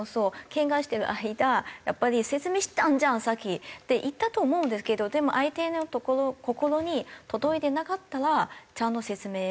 けんかしてる間やっぱり説明したじゃんさっき！って言ったと思うんですけどでも相手の心に届いてなかったらちゃんと説明が。